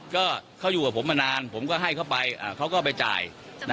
ก็เขาอยู่กับผมมานานผมก็ให้เขาไปเขาก็ไปจ่าย